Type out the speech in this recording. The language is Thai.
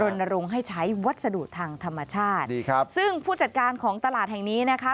รณรงค์ให้ใช้วัสดุทางธรรมชาติดีครับซึ่งผู้จัดการของตลาดแห่งนี้นะคะ